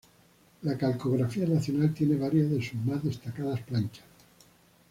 La Calcografía Nacional tiene varias de sus más destacadas planchas.